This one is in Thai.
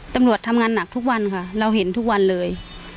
ตำรวจทำงานหนักทุกวันค่ะเราเห็นทุกวันเลย